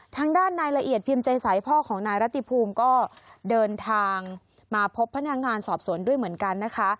ทางด้านนายละเอียดพิมพ์ใจใสพ่อของนายรัติภูมิก็เดินทางมาพบพนักงานสอบสวนด้วยเหมือนกันนะคะ